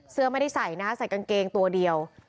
ไม่ได้ใส่นะใส่กางเกงตัวเดียว